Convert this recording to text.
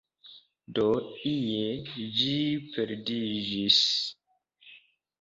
Do ie ĝi perdiĝis.